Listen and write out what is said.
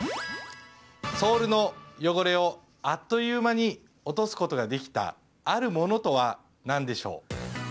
ソールの汚れをあっという間に落とすことができたあるものとは何でしょう？